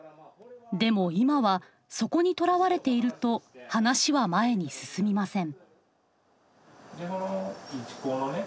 でも今はそこにとらわれていると話は前に進みません。